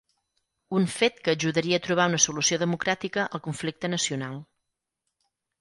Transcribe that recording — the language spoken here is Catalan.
Un fet que ajudaria a trobar una “solució democràtica” al conflicte nacional.